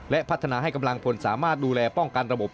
และพัฒนาให้กำลังพลสามารถดูแลป้องกันระบบ